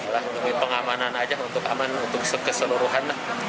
lebih pengamanan aja untuk aman untuk keseluruhan